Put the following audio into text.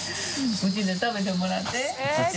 うちで食べてもらって。